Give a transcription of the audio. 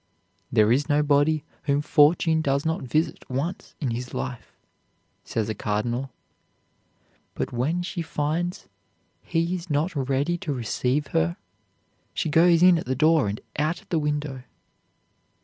"There is nobody whom Fortune does not visit once in his life," says a cardinal; "but when she finds he is not ready to receive her, she goes in at the door and out at the window."